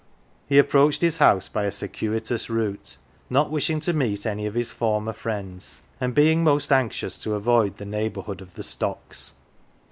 He approached his house by a circuitous route, not wishing to meet any of his former friends, and being most anxious to avoid the neighbourhood of the stocks.